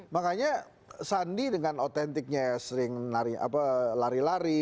makanya sandi dengan otentiknya sering lari lari